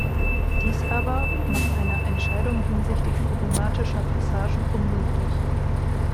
Dies aber macht eine Entscheidung hinsichtlich problematischer Passagen unmöglich.